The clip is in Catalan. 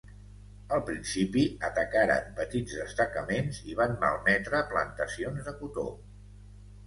Al principi atacaren petits destacaments i van malmetre plantacions de cotó.